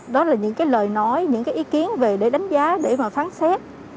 đó là những cái lời nói những cái ý kiến về để đánh giá để mà phán xét